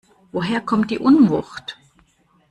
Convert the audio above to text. Woher kommt die Unwucht?